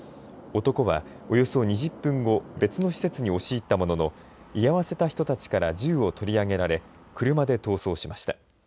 男はおよそ２０分後、別の施設に押し入ったものの居合わせた人たちから銃を取り上げられ車で逃走しました。